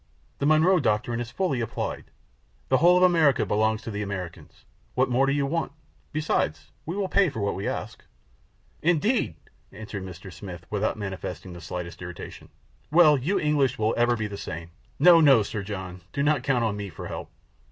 The Monroe doctrine is fully applied; the whole of America belongs to the Americans. What more do you want? Besides, we will pay for what we ask." "Indeed!" answered Mr. Smith, without manifesting the slightest irritation. "Well, you English will ever be the same. No, no, Sir John, do not count on me for help.